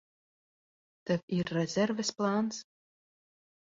Tev ir rezerves plāns?